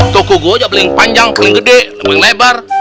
toko gue aja paling panjang paling gede paling lebar